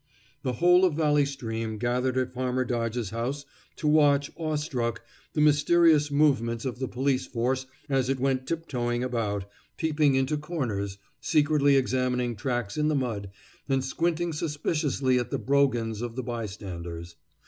The whole of Valley Stream gathered at Farmer Dodge's house to watch, awe struck, the mysterious movements of the police force as it went tiptoeing about, peeping into corners, secretly examining tracks in the mud, and squinting suspiciously at the brogans of the bystanders.